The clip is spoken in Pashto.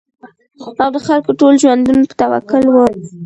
او د خلکو ټول ژوندون په توکل وو